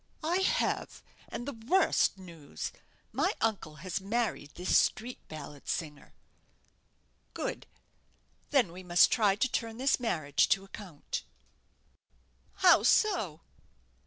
"I have, and the worst news. My uncle has married this street ballad singer." "Good; then we must try to turn this marriage to account." "How so?"